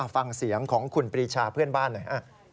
ฟังเสียงของคุณปรีชาเพื่อนบ้านหน่อยฮะ